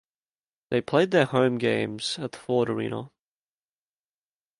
They played their home games at the Ford Arena.